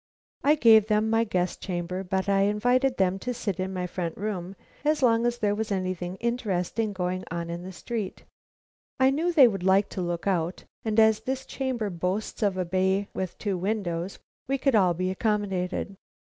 I gave them my guest chamber, but I invited them to sit in my front room as long as there was anything interesting going on in the street. I knew they would like to look out, and as this chamber boasts of a bay with two windows, we could all be accommodated.